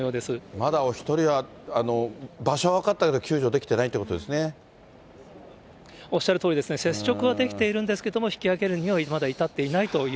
まだお１人は場所は分かったけど救助できていないということおっしゃるとおりですね、接触はできているんですけれども、引き上げるにはまだ至っていない